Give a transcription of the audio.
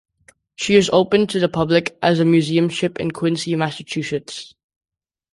She is open to the public as a museum ship in Quincy, Massachusetts.